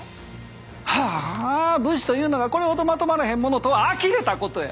はぁ武士というのがこれほどまとまらへんものとはあきれたことや。